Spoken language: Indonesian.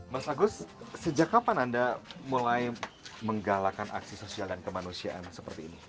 mas agus sejak kapan anda mulai menggalakan aksi sosial dan kemanusiaan seperti ini